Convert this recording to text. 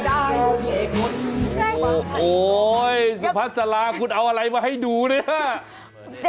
โอ้โหสุพัสลาคุณเอาอะไรมาให้ดูเนี่ย